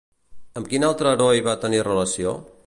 Amb quin altre heroi va tenir relació?